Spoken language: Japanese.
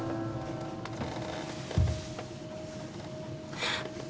あっ！